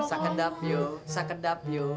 sakedap yo sakedap yo